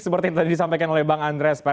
seperti yang tadi disampaikan oleh bang andreas